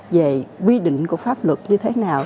về quy định của pháp luật như thế nào